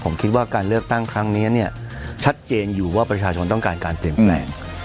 ผมคิดว่าการเลือกตั้งครั้งนี้เนี่ยชัดเจนอยู่ว่าประชาชนต้องการการเปลี่ยนแปลง